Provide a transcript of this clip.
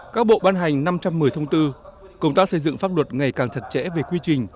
các bộ ban hành năm trăm một mươi thông tư công tác xây dựng pháp luật ngày càng thật trễ về quy trình